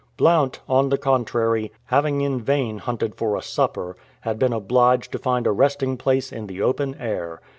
Blount, on the contrary, having in vain hunted for a supper, had been obliged to find a resting place in the open air.